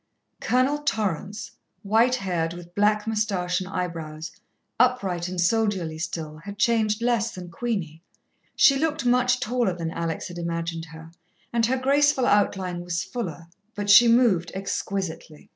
Colonel Torrance, white haired, with black moustache and eyebrows, upright and soldierly still, had changed less than Queenie. She looked much taller than Alex had imagined her, and her graceful outline was fuller, but she moved exquisitely.